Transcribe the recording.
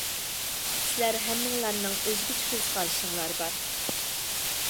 سىلەر ھەممىڭلارنىڭ ئۆزگىچە كۆز قارىشىڭلار بار.